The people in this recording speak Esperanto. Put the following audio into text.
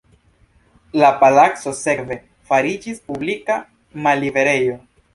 La palaco sekve fariĝis publika malliberejo.